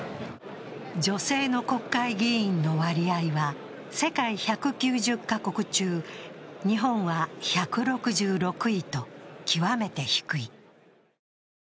女性の国会議員の割合は世界１９０カ国中、日本は１６６位と極めて低い。